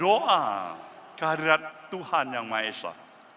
doa kehadirat tuhan yang maha esa